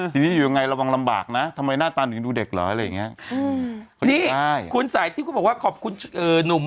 ที่หนุนมัดรับบทเป็นอำพลสมัยก่อน